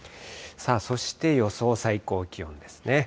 そして予想最高気温ですね。